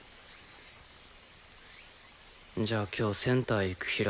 じゃあ今日センター行く日らすけ。